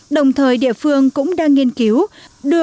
đồng thời địa phương cũng đang nghiên cứu